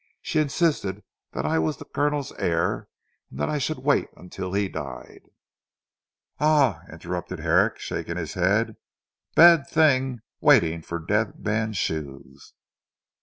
She insisted that I was the Colonel's heir and that I should wait till he died. " "Ah!" interrupted Herrick shaking his head, "bad thing waiting for dead men's shoes."